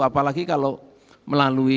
apalagi kalau melalui